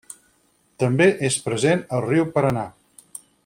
També és present al riu Paranà.